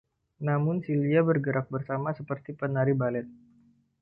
Namun silia bergerak bersama seperti penari balet.